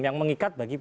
yang mengikat bagi pihak